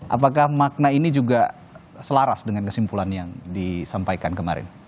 apakah makna ini juga selaras dengan kesimpulan yang disampaikan kemarin